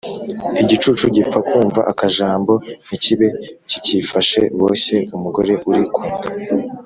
Igicucu gipfa kumva akajambo ntikibe kicyifashe, boshye umugore uri ku nda.